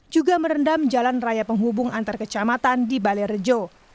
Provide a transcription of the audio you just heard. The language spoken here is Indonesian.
juga merendam jalan raya penghubung antar kecamatan di balai rejo